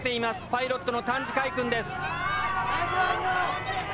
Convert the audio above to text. パイロットの丹治開くんです。